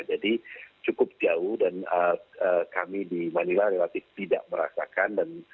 jadi cukup jauh dan kami di manila relatif tidak merasakan